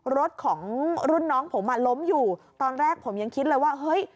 รถของรุ่นน้องผมอ่ะล้มอยู่ตอนแรกผมยังคิดเลยว่าเฮ้ย